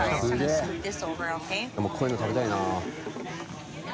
任こういうの食べたいな。